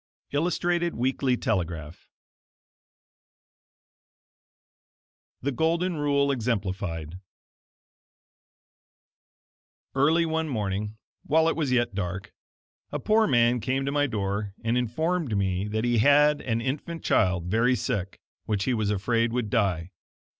Illustrated Weekly Telegraph THE GOLDEN RULE EXEMPLIFIED Early one morning while it was yet dark, a poor man came to my door and informed me that he had an infant child very sick, which he was afraid would die.